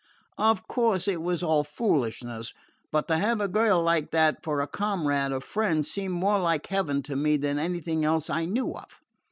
"Of course it was all foolishness, but to have a girl like that for a comrade or friend seemed more like heaven to me than anything else I knew of.